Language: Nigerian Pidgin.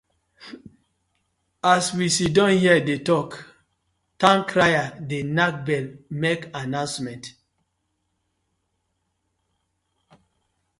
As we siddon here dey tok, towncrier dey nack bell mak annoucement.